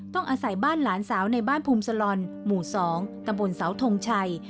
อาศัยบ้านหลานสาวในบ้านภูมิสลอนหมู่๒ตะบนเสาทงชัย